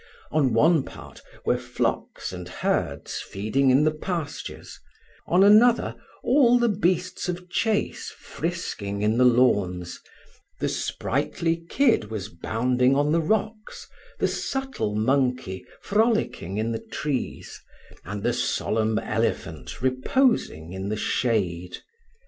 On one part were flocks and herds feeding in the pastures, on another all the beasts of chase frisking in the lawns, the sprightly kid was bounding on the rocks, the subtle monkey frolicking in the trees, and the solemn elephant reposing in the shade.